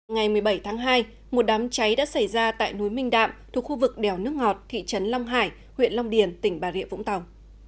ngày một mươi bảy tháng hai một đám cháy đã xảy ra tại núi minh đạm thuộc khu vực đèo nước ngọt thị trấn long hải huyện long điền tỉnh bà rịa vũng tàu